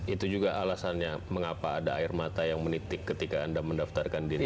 itu juga alasannya mengapa ada air mata yang menitik ketika anda mendaftarkan diri